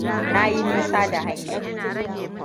Na yi nisa da hanyar.